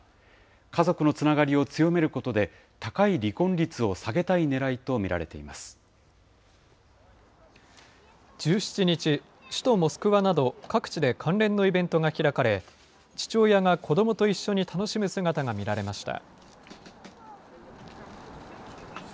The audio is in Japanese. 家族のつながりを強めることで、高い離婚率を下げたいねらいと見１７日、首都モスクワなど各地で関連のイベントが開かれ、父親が子どもと一緒に楽しむ姿が見られました。